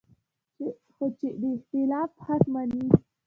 خو چې د اختلاف حق مني